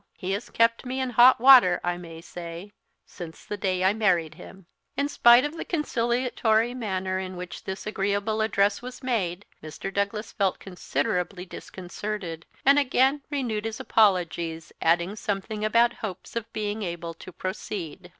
He has kept me in hot water, I may say, since the day I married him." In spite of the conciliatory manner in which this agreeable address was made, Mr. Douglas felt considerably disconcerted, and again renewed his apologies, adding something about hopes of being able to proceed.